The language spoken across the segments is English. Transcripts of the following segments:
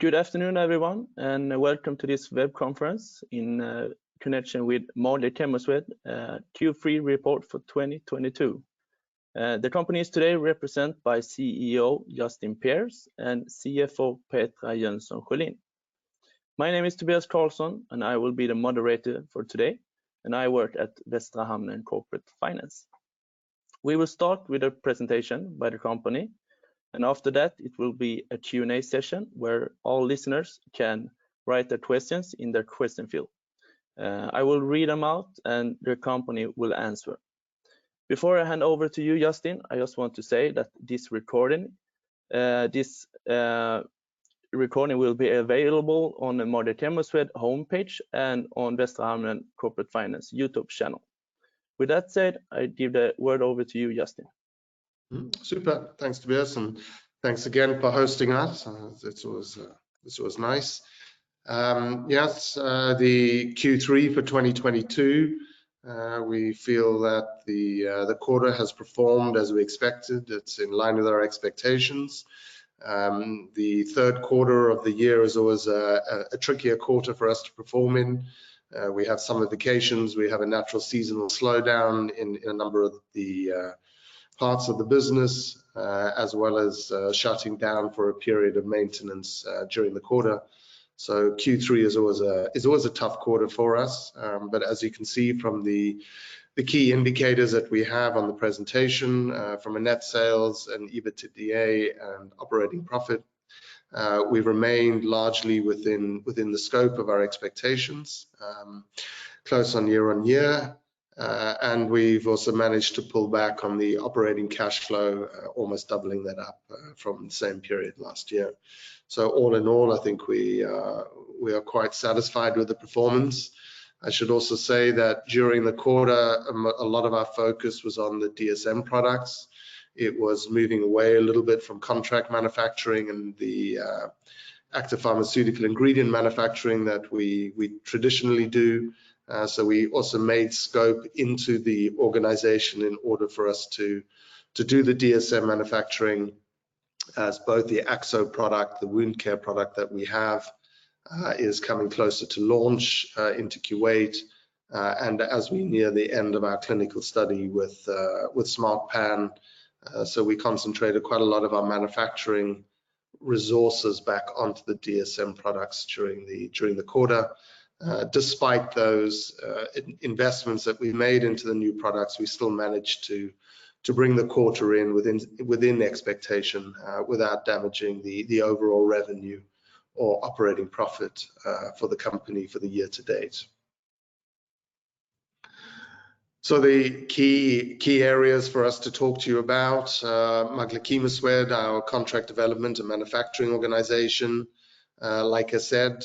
Good afternoon, everyone, and welcome to this web conference in connection with Magle Chemoswed Q3 report for 2022. The company is today represented by CEO Justin Pierce and CFO Petra Jönsson Sjölin. My name is Tobias Karlsson, and I will be the moderator for today, and I work at Västra Hamnen Corporate Finance. We will start with a presentation by the company, and after that, it will be a Q&A session where all listeners can write their questions in the question field. I will read them out, and the company will answer. Before I hand over to you, Justin, I just want to say that this recording will be available on the Magle Chemoswed homepage and on Västra Hamnen Corporate Finance YouTube channel. With that said, I give the word over to you, Justin. Super. Thanks, Tobias, and thanks again for hosting us. This was nice. Yes, the Q3 for 2022, we feel that the quarter has performed as we expected. It's in line with our expectations. The third quarter of the year is always a trickier quarter for us to perform in. We have summer vacations. We have a natural seasonal slowdown in a number of the parts of the business, as well as shutting down for a period of maintenance during the quarter. Q3 is always a tough quarter for us. As you can see from the key indicators that we have on the presentation, from a net sales and EBITDA and operating profit, we've remained largely within the scope of our expectations, close on year-on-year. We've also managed to pull back on the operating cash flow, almost doubling that up, from the same period last year. All in all, I think we are quite satisfied with the performance. I should also say that during the quarter, a lot of our focus was on the DSM products. It was moving away a little bit from contract manufacturing and the active pharmaceutical ingredient manufacturing that we traditionally do. We also made space into the organization in order for us to do the DSM manufacturing as both the AXXO product, the wound care product that we have, is coming closer to launch into Kuwait, and as we near the end of our clinical study with SmartPAN. We concentrated quite a lot of our manufacturing resources back onto the DSM products during the quarter. Despite those investments that we made into the new products, we still managed to bring the quarter in within expectation without damaging the overall revenue or operating profit for the company for the year to date. The key areas for us to talk to you about, Magle Chemoswed, our contract development and manufacturing organization. Like I said,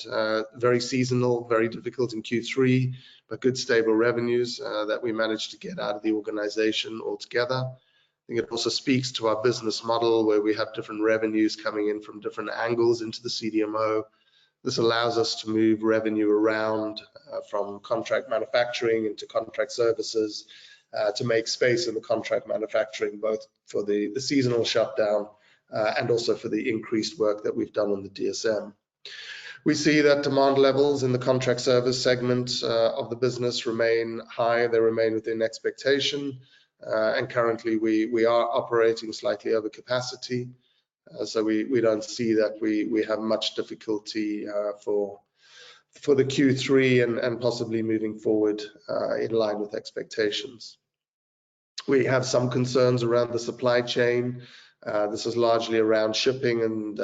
very seasonal, very difficult in Q3, but good stable revenues that we managed to get out of the organization altogether. I think it also speaks to our business model, where we have different revenues coming in from different angles into the CDMO. This allows us to move revenue around from contract manufacturing into contract services to make space in the contract manufacturing, both for the seasonal shutdown and also for the increased work that we've done on the DSM. We see that demand levels in the contract service segment of the business remain high. They remain within expectation. Currently we are operating slightly over capacity, so we don't see that we have much difficulty for the Q3 and possibly moving forward in line with expectations. We have some concerns around the supply chain. This is largely around shipping and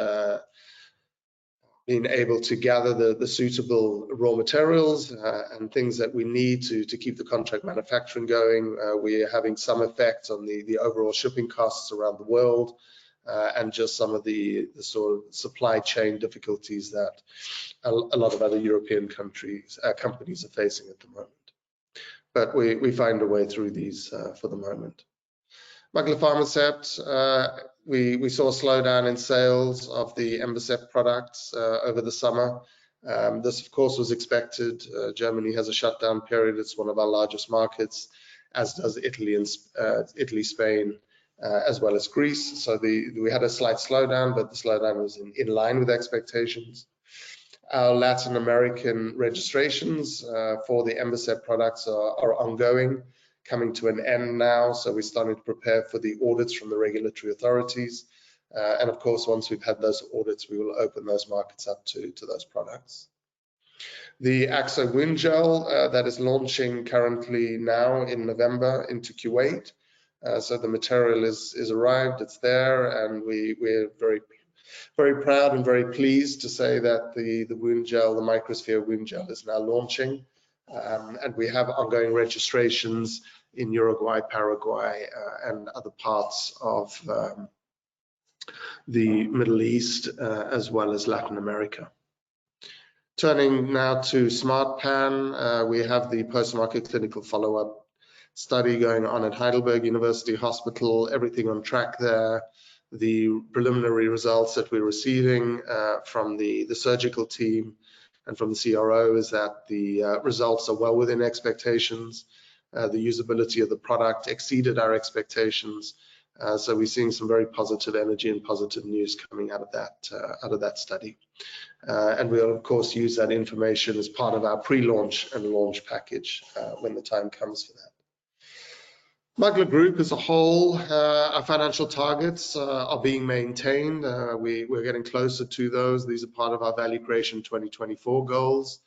being able to gather the suitable raw materials and things that we need to keep the contract manufacturing going. We're having some effect on the overall shipping costs around the world and just some of the sort of supply chain difficulties that a lot of other European companies are facing at the moment. We find a way through these for the moment. Magle PharmaCept, we saw a slowdown in sales of the EmboCept products over the summer. This, of course, was expected. Germany has a shutdown period. It's one of our largest markets, as does Italy, Spain, as well as Greece. We had a slight slowdown, but the slowdown was in line with expectations. Our Latin American registrations for the EmboCept products are ongoing, coming to an end now, so we're starting to prepare for the audits from the regulatory authorities. Of course, once we've had those audits, we will open those markets up to those products. The AXXO Woundgel that is launching currently now in November into Kuwait, so the material is arrived. It's there, and we're very proud and very pleased to say that the Woundgel, the microsphere Woundgel is now launching. We have ongoing registrations in Uruguay, Paraguay, and other parts of the Middle East, as well as Latin America. Turning now to SmartPAN, we have the post-market clinical follow-up study going on at Heidelberg University Hospital. Everything on track there. The preliminary results that we're receiving from the surgical team and from the CRO is that the results are well within expectations. The usability of the product exceeded our expectations, so we're seeing some very positive energy and positive news coming out of that study. We'll of course use that information as part of our pre-launch and launch package when the time comes for that. Magle Group as a whole, our financial targets are being maintained. We're getting closer to those. These are part of our Value Creation 2024 goals.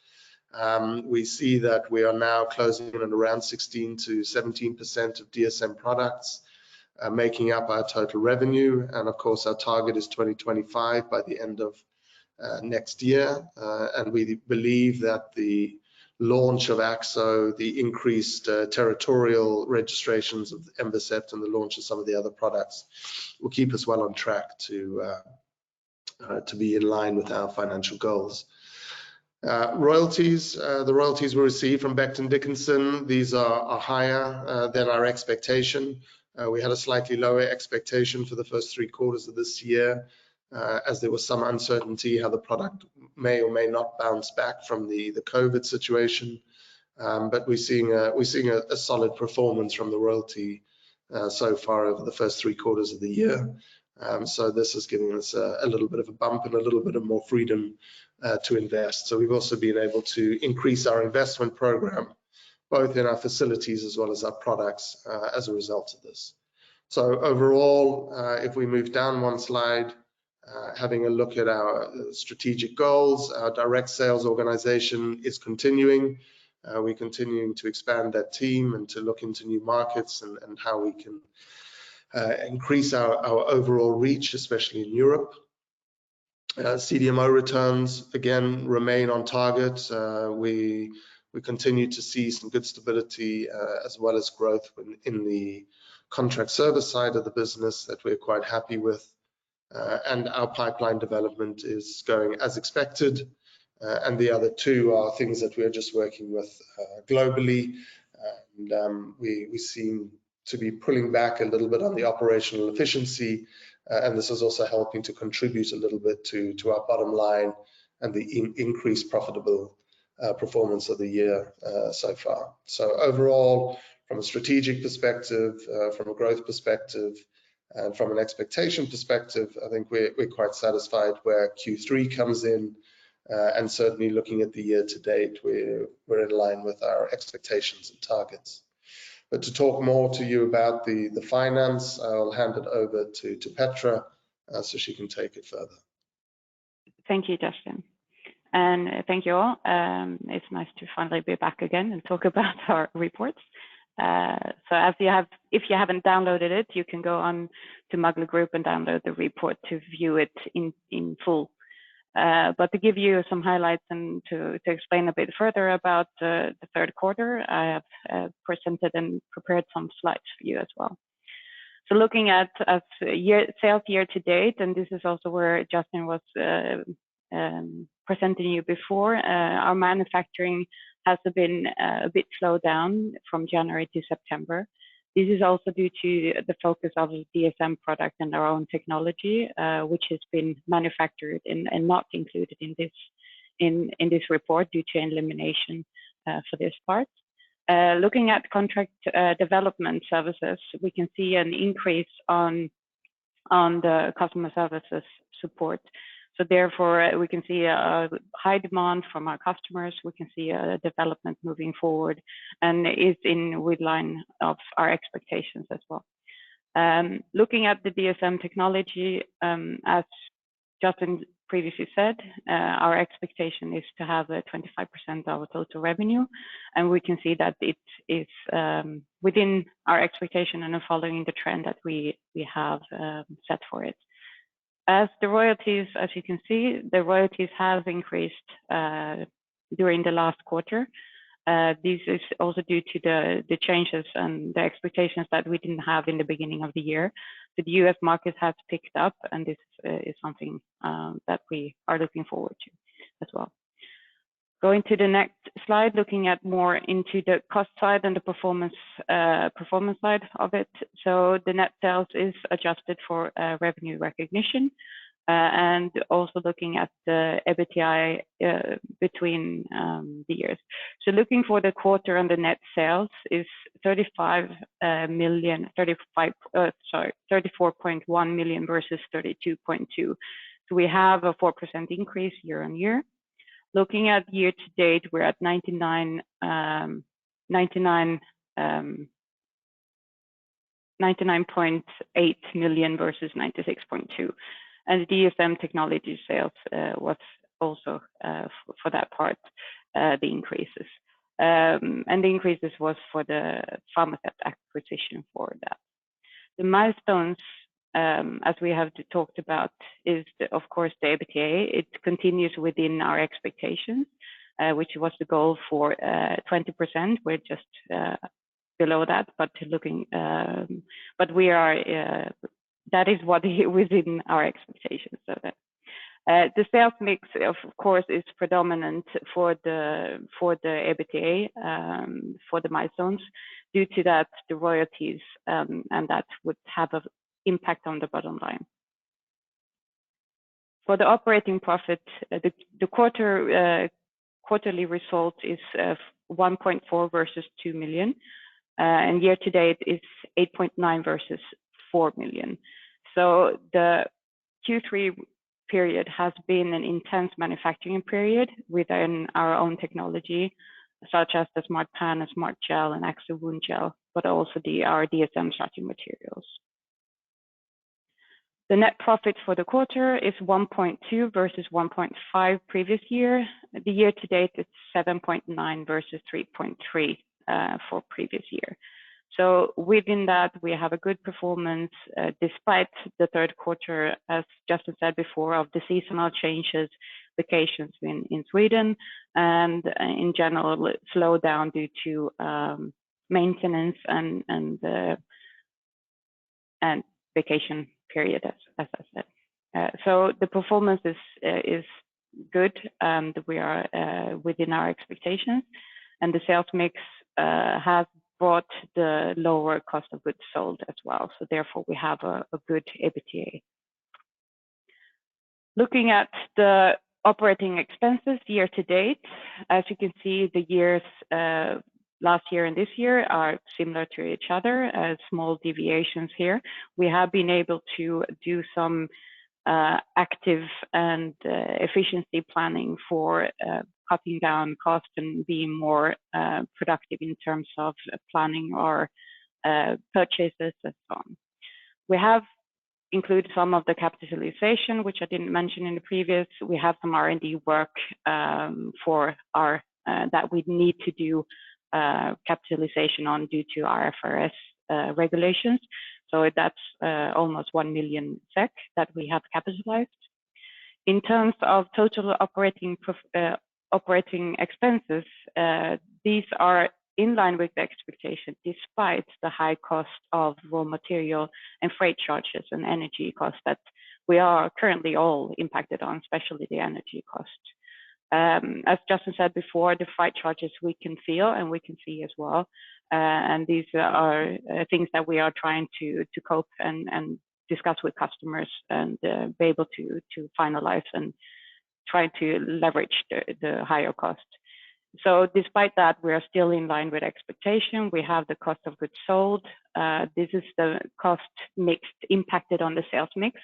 We see that we are now closing in at around 16%-17% of DSM products making up our total revenue, and of course, our target is 25% by the end of next year. We believe that the launch of AXXO, the increased territorial registrations of EmboCept, and the launch of some of the other products will keep us well on track to be in line with our financial goals. Royalties. The royalties we receive from Becton Dickinson, these are higher than our expectation. We had a slightly lower expectation for the first three quarters of this year, as there was some uncertainty how the product may or may not bounce back from the COVID situation. We're seeing a solid performance from the royalty so far over the first three quarters of the year. This is giving us a little bit of a bump and a little bit more freedom to invest. We've also been able to increase our investment program, both in our facilities as well as our products, as a result of this. Overall, if we move down one slide, having a look at our strategic goals, our direct sales organization is continuing. We're continuing to expand that team and to look into new markets and how we can increase our overall reach, especially in Europe. CDMO returns again remain on target. We continue to see some good stability, as well as growth in the contract service side of the business that we're quite happy with. Our pipeline development is going as expected. The other two are things that we're just working with globally. We seem to be pulling back a little bit on the operational efficiency. This is also helping to contribute a little bit to our bottom line and the increased profitable performance of the year so far. Overall, from a strategic perspective, from a growth perspective and from an expectation perspective, I think we're quite satisfied where Q3 comes in. Certainly looking at the year to date, we're in line with our expectations and targets. To talk more to you about the finance, I'll hand it over to Petra, so she can take it further. Thank you, Justin, and thank you all. It's nice to finally be back again and talk about our reports. If you haven't downloaded it, you can go on to Magle Group and download the report to view it in full. To give you some highlights and to explain a bit further about the third quarter, I have presented and prepared some slides for you as well. Looking at sales year to date, and this is also where Justin was presenting you before, our manufacturing has been a bit slowed down from January to September. This is also due to the focus of DSM product and our own technology, which has been manufactured and not included in this report due to elimination for this part. Looking at contract development services, we can see an increase on the customer services support. Therefore, we can see a high demand from our customers. We can see a development moving forward and is in line with our expectations as well. Looking at the DSM technology, as Justin previously said, our expectation is to have 25% of our total revenue, and we can see that it is within our expectation and are following the trend that we have set for it. As the royalties, as you can see, the royalties have increased during the last quarter. This is also due to the changes and the expectations that we didn't have in the beginning of the year. The U.S. market has picked up, and this is something that we are looking forward to as well. Going to the next slide, looking at more into the cost side and the performance side of it. The net sales is adjusted for revenue recognition. Also looking at the EBITDA between the years. Looking for the quarter on the net sales is 34.1 million versus 32.2 million. We have a 4% increase year-on-year. Looking at year to date, we're at 99.8 million versus 96.2 million. The DSM technology sales was also for that part the increases. The increases was for the PharmaCept acquisition for that. The milestones, as we have talked about is of course the EBITDA. It continues within our expectation, which was the goal for 20%. We're just below that, but that is within our expectations, so that. The sales mix of course, is predominant for the EBITDA, for the milestones due to that, the royalties, and that would have an impact on the bottom line. For the operating profit, the quarterly result is 1.4 million versus 2 million. And year to date is 8.9 million versus 4 million. The Q3 period has been an intense manufacturing period within our own technology, such as the SmartPAN and SmartGel and AXXO Woundgel, but also our DSM starting materials. The net profit for the quarter is 1.2 million versus 1.5 million previous year. The year-to-date is 7.9 million versus 3.3 million for previous year. Within that, we have a good performance despite the third quarter, as Justin said before, of the seasonal changes, vacations in Sweden, and in general, slow down due to maintenance and vacation period, as I said. The performance is good, we are within our expectations, and the sales mix has brought the lower cost of goods sold as well. Therefore, we have a good EBITDA. Looking at the operating expenses year-to-date, as you can see, the years last year and this year are similar to each other, small deviations here. We have been able to do some active and efficiency planning for cutting down costs and being more productive in terms of planning our purchases and so on. We have included some of the capitalization, which I didn't mention in the previous. We have some R&D work that we need to do capitalization on due to IFRS regulations. That's almost 1 million SEK that we have capitalized. In terms of total operating expenses, these are in line with the expectation despite the high cost of raw material and freight charges and energy costs that we are currently all impacted on, especially the energy cost. As Justin said before, the freight charges we can feel and we can see as well. These are things that we are trying to cope and discuss with customers and be able to finalize and try to leverage the higher cost. Despite that, we are still in line with expectation. We have the cost of goods sold. This is the cost mix impacted on the sales mix.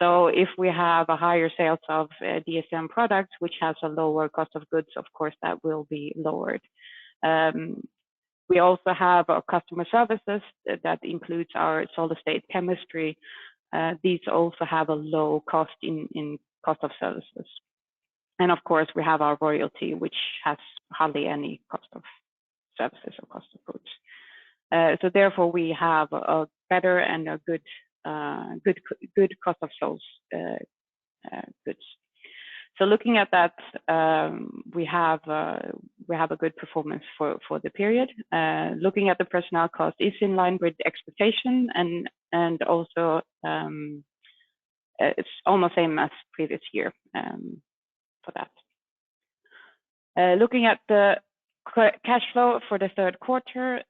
If we have a higher sales of DSM products, which has a lower cost of goods, of course, that will be lowered. We also have our customer services that includes our solid-state chemistry. These also have a low cost in cost of services. Of course, we have our royalty, which has hardly any cost of services or cost of goods. Therefore, we have a better and a good cost of goods sold. Looking at that, we have a good performance for the period. Looking at the personnel cost is in line with the expectation and also, it's almost same as previous year, for that. Looking at the cash flow for the third quarter,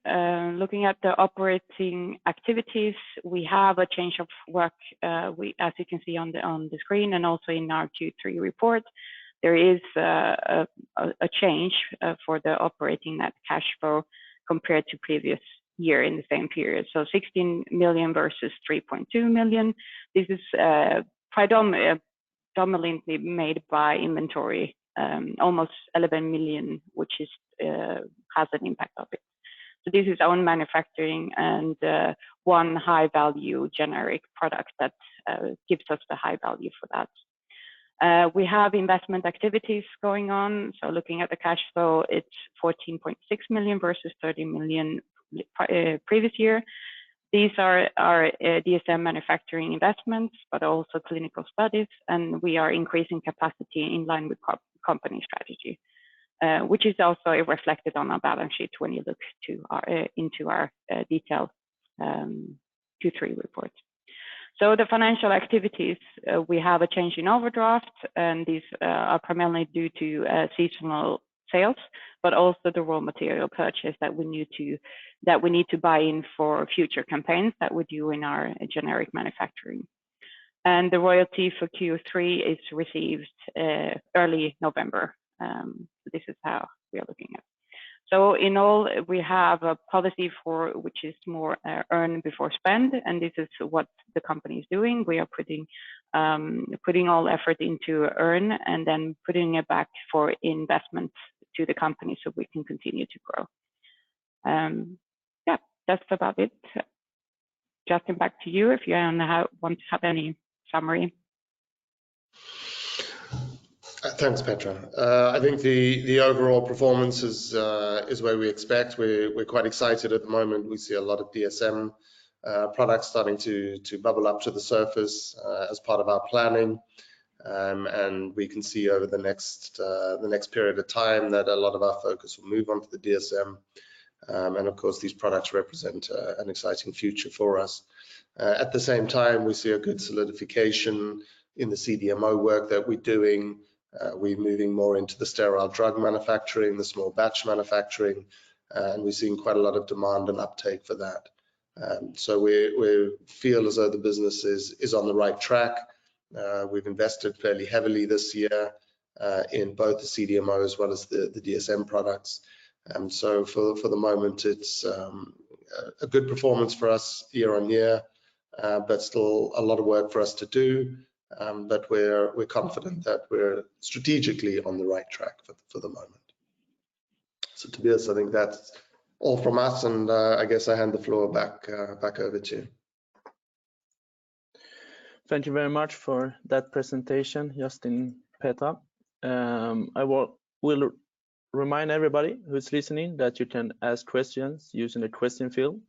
looking at the operating activities, we have a change in working capital. As you can see on the screen and also in our Q3 report, there is a change in the operating net cash flow compared to previous year in the same period. 16 million versus 3.2 million. This is predominantly due to inventory, almost 11 million, which has an impact on it. This is own manufacturing and one high-value generic product that gives us the high value for that. We have investment activities going on. Looking at the cash flow, it's 14.6 million versus 13 million previous year. These are our DSM manufacturing investments, but also clinical studies. We are increasing capacity in line with company strategy, which is also reflected on our balance sheet when you look into our detailed Q3 report. The financial activities, we have a change in overdraft, and these are primarily due to seasonal sales, but also the raw material purchase that we need to buy in for future campaigns that we do in our generic manufacturing. The royalty for Q3 is received early November. This is how we are looking at. In all, we have a policy which is more earn before spend, and this is what the company is doing. We are putting all effort into earning and then putting it back for investment to the company, so we can continue to grow. Yeah, that's about it. Justin, back to you if you want to have any summary. Thanks, Petra. I think the overall performance is where we expect. We're quite excited at the moment. We see a lot of DSM products starting to bubble up to the surface as part of our planning. We can see over the next period of time that a lot of our focus will move on to the DSM. Of course, these products represent an exciting future for us. At the same time, we see a good solidification in the CDMO work that we're doing. We're moving more into the sterile drug manufacturing, the small batch manufacturing, and we're seeing quite a lot of demand and uptake for that. We feel as though the business is on the right track. We've invested fairly heavily this year in both the CDMO as well as the DSM products. For the moment, it's a good performance for us year on year, but still a lot of work for us to do, but we're confident that we're strategically on the right track for the moment. Tobias, I think that's all from us, and I guess I hand the floor back over to you. Thank you very much for that presentation, Justin, Petra. I will remind everybody who's listening that you can ask questions using the question field.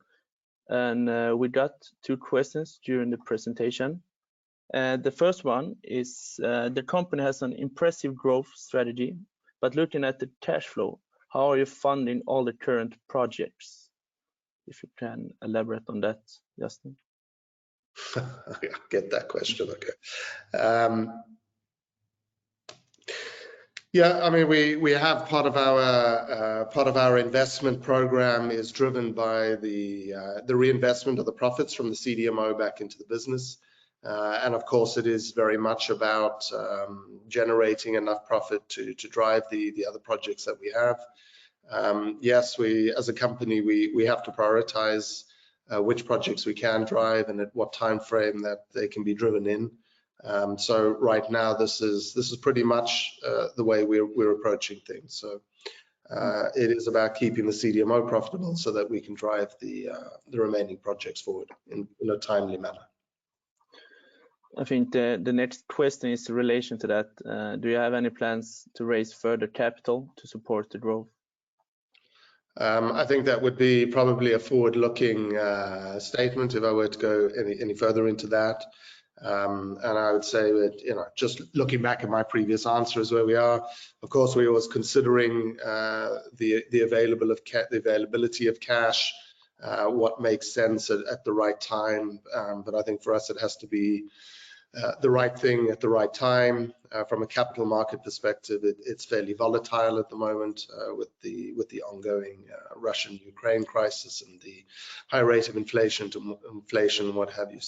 We got two questions during the presentation. The first one is, "The company has an impressive growth strategy, but looking at the cash flow, how are you funding all the current projects?" If you can elaborate on that, Justin. I get that question. Okay. Yeah, I mean, we have part of our investment program is driven by the reinvestment of the profits from the CDMO back into the business. Of course, it is very much about generating enough profit to drive the other projects that we have. Yes, we as a company have to prioritize which projects we can drive and at what timeframe that they can be driven in. Right now, this is pretty much the way we're approaching things. It is about keeping the CDMO profitable so that we can drive the remaining projects forward in a timely manner. I think the next question is in relation to that. "Do you have any plans to raise further capital to support the growth? I think that would be probably a forward-looking statement if I were to go any further into that. I would say that, you know, just looking back at my previous answers where we are, of course, we're always considering the availability of cash what makes sense at the right time. I think for us, it has to be the right thing at the right time. From a capital market perspective, it's fairly volatile at the moment with the ongoing Russian-Ukraine crisis and the high rate of inflation too much inflation and what have you.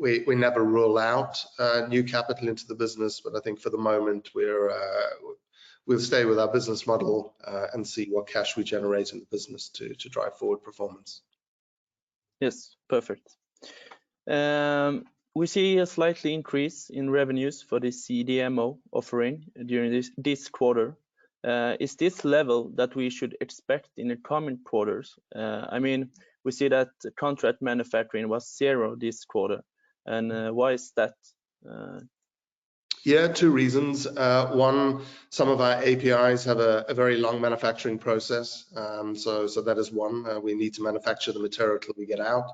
We never rule out new capital into the business. I think for the moment, we'll stay with our business model, and see what cash we generate in the business to drive forward performance. Yes. Perfect. "We see a slight increase in revenues for the CDMO offering during this quarter. Is this level that we should expect in the coming quarters?" I mean, we see that contract manufacturing was zero this quarter, and why is that? Yeah, two reasons. One, some of our APIs have a very long manufacturing process. That is one. We need to manufacture the material till we get out.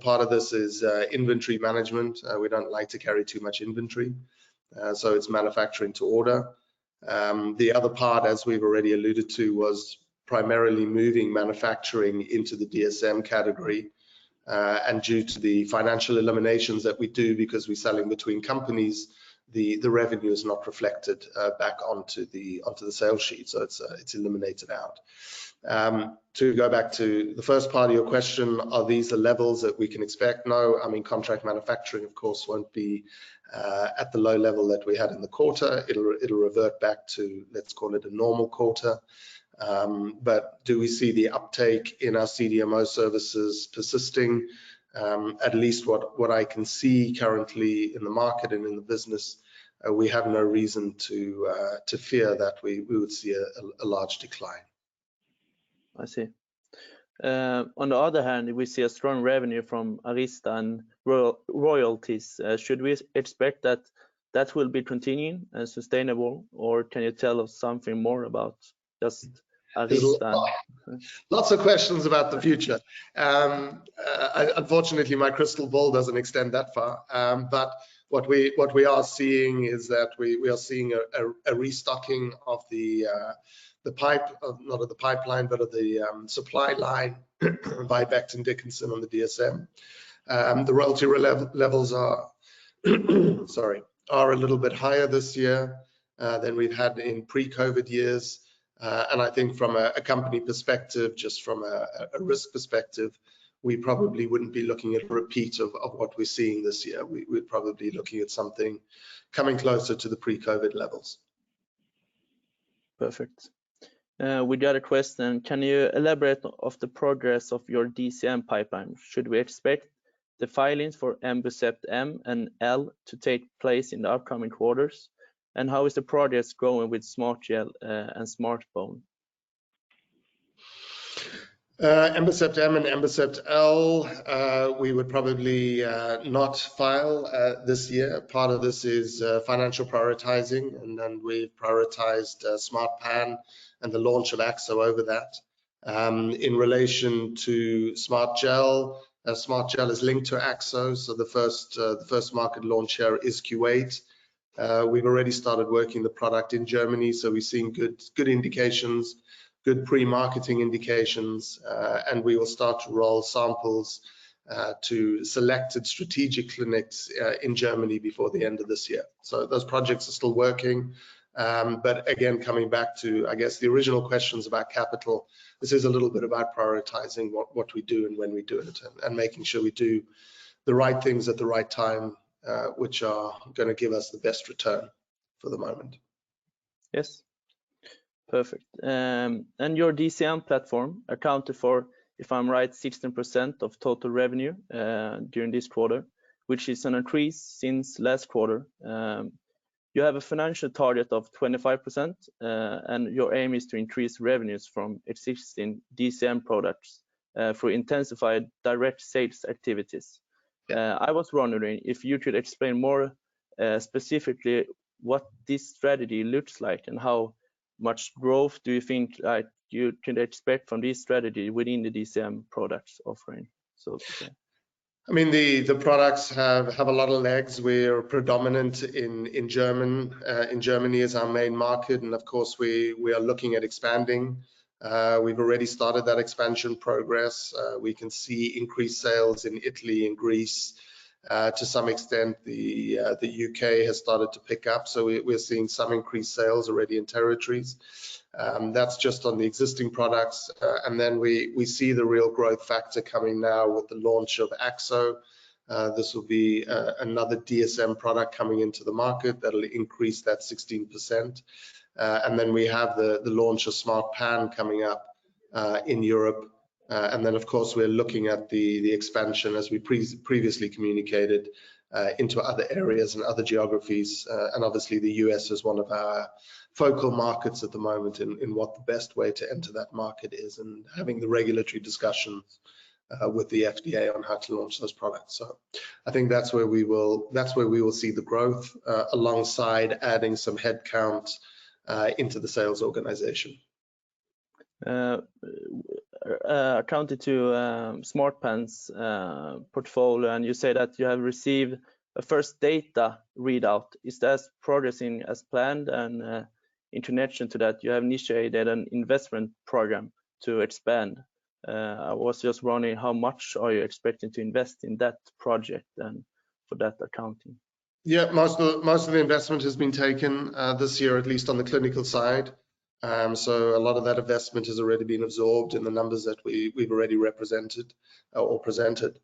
Part of this is inventory management. We don't like to carry too much inventory. It's manufacturing to order. The other part, as we've already alluded to, was primarily moving manufacturing into the DSM category. Due to the financial eliminations that we do because we're selling between companies, the revenue is not reflected back onto the sales sheet. It's eliminated out. To go back to the first part of your question, are these the levels that we can expect? No. I mean, contract manufacturing of course won't be at the low level that we had in the quarter. It'll revert back to, let's call it, a normal quarter. Do we see the uptake in our CDMO Services persisting? At least what I can see currently in the market and in the business, we have no reason to fear that we would see a large decline. I see. On the other hand, we see a strong revenue from Arista royalties. Should we expect that will be continuing and sustainable, or can you tell us something more about just Arista? Lots of questions about the future. Unfortunately, my crystal ball doesn't extend that far. What we are seeing is a restocking of the supply line by Becton Dickinson on the DSM. The royalty levels are a little bit higher this year than we've had in pre-COVID years. I think from a company perspective, just from a risk perspective, we probably wouldn't be looking at a repeat of what we're seeing this year. We're probably looking at something coming closer to the pre-COVID levels. Perfect. We got a question. "Can you elaborate on the progress of your DSM pipeline? Should we expect the filings for EmboCept M and EmboCept L to take place in the upcoming quarters? And how is the progress going with SmartGel and SmartPAN? EmboCept M and EmboCept L, we would probably not file this year. Part of this is financial prioritizing, and then we've prioritized SmartPAN and the launch of AXXO over that. In relation to SmartGel, SmartGel is linked to AXXO, so the first market launch here is Kuwait. We've already started working on the product in Germany, so we're seeing good indications, good pre-marketing indications. We will start to roll out samples to selected strategic clinics in Germany before the end of this year. Those projects are still working. Again, coming back to, I guess, the original questions about capital, this is a little bit about prioritizing what we do and when we do it, and making sure we do the right things at the right time, which are gonna give us the best return for the moment. Yes. Perfect. Your DSM platform accounted for, if I'm right, 16% of total revenue during this quarter, which is an increase since last quarter. You have a financial target of 25%, and your aim is to increase revenues from existing DSM products through intensified direct sales activities. Yeah. I was wondering if you could explain more specifically what this strategy looks like and how much growth do you think, like, you can expect from this strategy within the DSM products offering? I mean, the products have a lot of legs. We're predominant in Germany as our main market, and of course, we are looking at expanding. We've already started that expansion process. We can see increased sales in Italy and Greece. To some extent the U.K. has started to pick up, so we're seeing some increased sales already in territories. That's just on the existing products. We see the real growth factor coming now with the launch of AXXO. This will be another DSM product coming into the market that'll increase that 16%. We have the launch of SmartPAN coming up in Europe. We're looking at the expansion as we previously communicated into other areas and other geographies. Obviously the U.S. is one of our focal markets at the moment in what the best way to enter that market is and having the regulatory discussions with the FDA on how to launch those products. I think that's where we will see the growth alongside adding some headcount into the sales organization. According to SmartPAN's portfolio, you say that you have received a first data readout. Is that progressing as planned? In connection to that, you have initiated an investment program to expand. I was just wondering, how much are you expecting to invest in that project then for that accounting? Yeah. Most of the investment has been taken this year, at least on the clinical side. A lot of that investment has already been absorbed in the numbers that we've already represented or presented.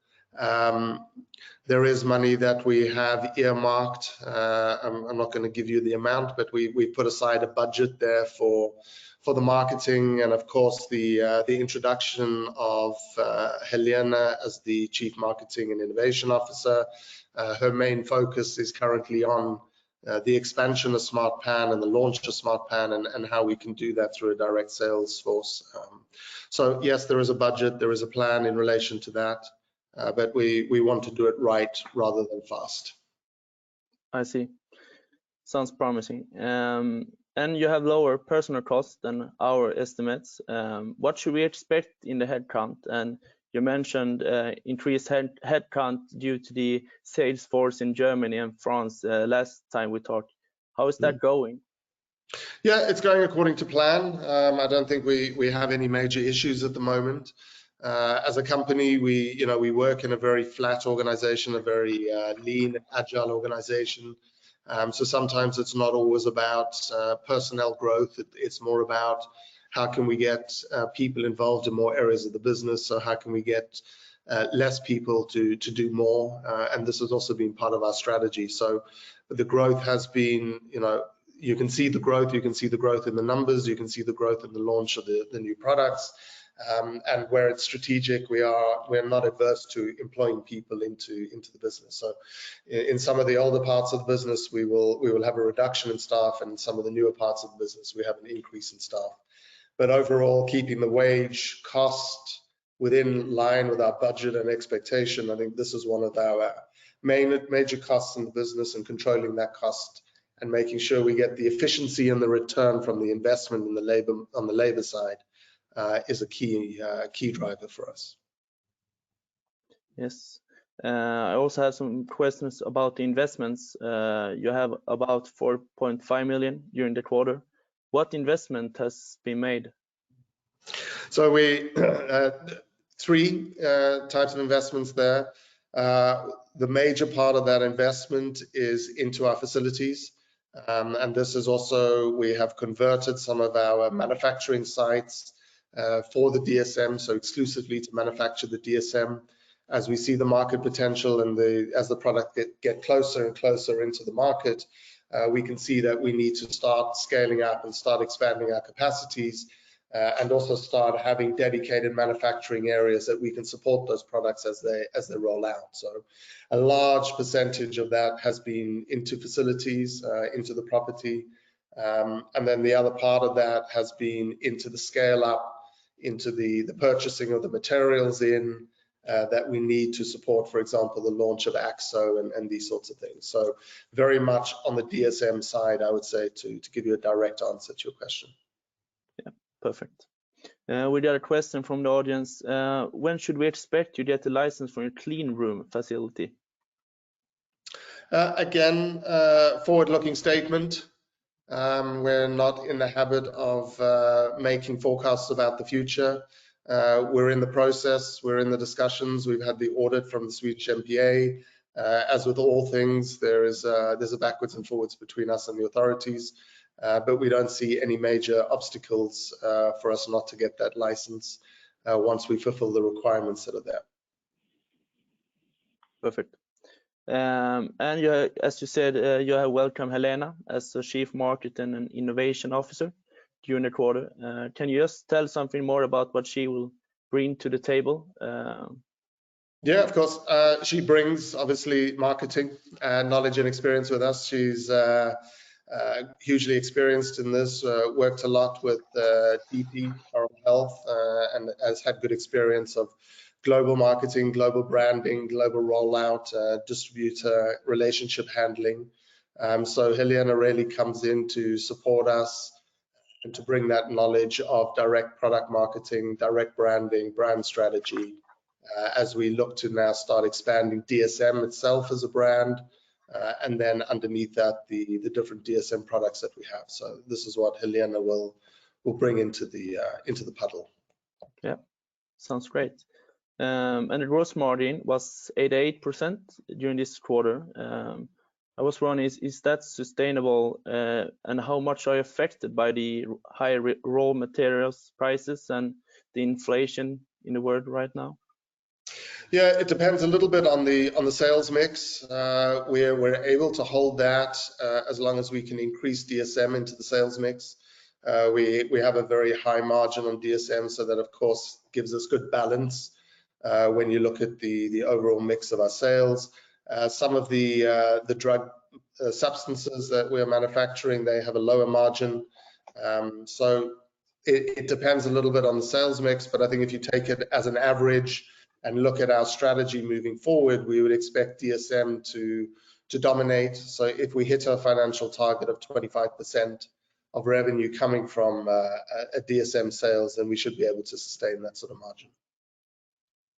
There is money that we have earmarked. I'm not gonna give you the amount, but we put aside a budget there for the marketing and of course the introduction of Helena as the Chief Marketing and Innovation Officer. Her main focus is currently on the expansion of SmartPAN and the launch of SmartPAN and how we can do that through a direct sales force. Yes, there is a budget, there is a plan in relation to that, but we want to do it right rather than fast. I see. Sounds promising. You have lower personnel costs than our estimates. What should we expect in the headcount? You mentioned increased headcount due to the sales force in Germany and France last time we talked. How is that going? Yeah, it's going according to plan. I don't think we have any major issues at the moment. As a company, you know, we work in a very flat organization, a very lean, agile organization. Sometimes it's not always about personnel growth. It's more about how we can get people involved in more areas of the business, or how we can get less people to do more. This has also been part of our strategy. The growth has been, you know. You can see the growth, you can see the growth in the numbers, you can see the growth in the launch of the new products. Where it's strategic, we're not adverse to employing people into the business. In some of the older parts of the business, we will have a reduction in staff, and some of the newer parts of the business, we have an increase in staff. But overall, keeping the wage cost in line with our budget and expectation, I think this is one of our main, major costs in the business, and controlling that cost and making sure we get the efficiency and the return from the investment on the labor side, is a key driver for us. Yes. I also have some questions about the investments. You have about 4.5 million during the quarter. What investment has been made? We have three types of investments there. The major part of that investment is into our facilities, and this is also, we have converted some of our manufacturing sites for the DSM, so exclusively to manufacture the DSM. As we see the market potential and as the product get closer and closer into the market, we can see that we need to start scaling up and start expanding our capacities, and also start having dedicated manufacturing areas that we can support those products as they roll out. A large percentage of that has been into facilities, into the property. The other part of that has been into the scaleup, into the purchasing of the materials in that we need to support, for example, the launch of AXXO and these sorts of things. Very much on the DSM side, I would say, to give you a direct answer to your question. Yeah. Perfect. We got a question from the audience. When should we expect to get the license for your clean room facility? Again, forward-looking statement. We're not in the habit of making forecasts about the future. We're in the process, we're in the discussions. We've had the audit from the Swedish MPA. As with all things, there's a backwards and forwards between us and the authorities, but we don't see any major obstacles for us not to get that license, once we fulfill the requirements that are there. Perfect. You, as you said, you have welcomed Helena as the Chief Marketing and Innovation Officer during the quarter. Can you just tell something more about what she will bring to the table? Yeah, of course. She brings, obviously, marketing and knowledge and experience with us. She's hugely experienced in this, worked a lot with TePe Oral Hygiene, and has had good experience of global marketing, global branding, global rollout, distributor relationship handling. Helena really comes in to support us and to bring that knowledge of direct product marketing, direct branding, brand strategy, as we look to now start expanding DSM itself as a brand, and then underneath that, the different DSM products that we have. This is what Helena will bring into the pool. Yeah. Sounds great. The gross margin was 88% during this quarter. I was wondering, is that sustainable? How much are you affected by the high raw materials prices and the inflation in the world right now? Yeah, it depends a little bit on the sales mix. We're able to hold that as long as we can increase DSM into the sales mix. We have a very high margin on DSM, so that, of course, gives us good balance when you look at the overall mix of our sales. Some of the drug substances that we're manufacturing have a lower margin. It depends a little bit on the sales mix, but I think if you take it as an average and look at our strategy moving forward, we would expect DSM to dominate. If we hit our financial target of 25% of revenue coming from DSM sales, then we should be able to sustain that sort of margin.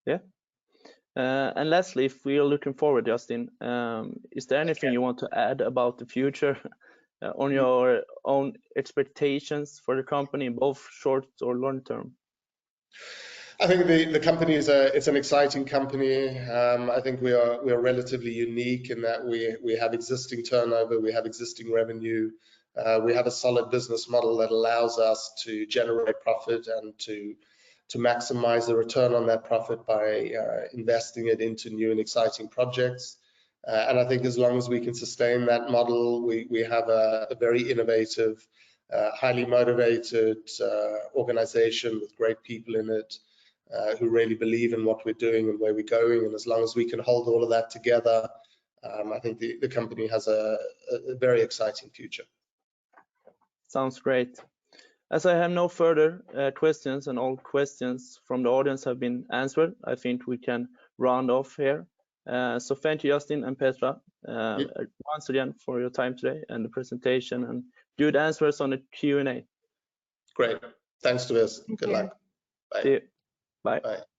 Yeah. Lastly, if we are looking forward, Justin, Sure Is there anything you want to add about the future on your own expectations for the company, both short or long term? I think the company is an exciting company. I think we are relatively unique in that we have existing turnover, we have existing revenue. We have a solid business model that allows us to generate profit and to maximize the return on that profit by investing it into new and exciting projects. I think as long as we can sustain that model, we have a very innovative, highly motivated organization with great people in it who really believe in what we're doing and where we're going. As long as we can hold all of that together, I think the company has a very exciting future. Sounds great. As I have no further questions, and all questions from the audience have been answered, I think we can round off here. Thank you, Justin and Petra. Yep Once again for your time today and the presentation, and your answers on the Q&A. Great. Thanks Tobias. Good luck. Yeah. Bye. See you. Bye. Bye.